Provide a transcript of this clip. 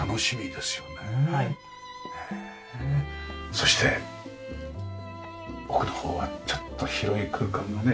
そして奥の方はちょっと広い空間のね